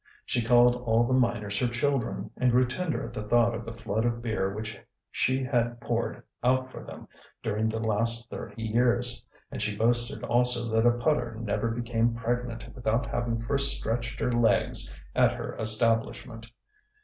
She called all the miners her children; and grew tender at the thought of the flood of beer which she had poured out for them during the last thirty years; and she boasted also that a putter never became pregnant without having first stretched her legs at her establishment.